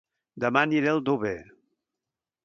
Dema aniré a Aldover